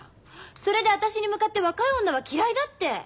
それで私に向かって若い女は嫌いだって！